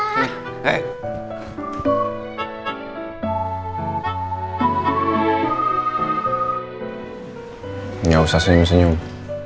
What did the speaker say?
gak usah senyum senyum